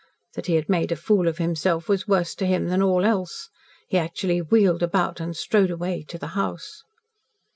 That he had made a fool of himself was worse to him than all else. He actually wheeled about and strode away to the house.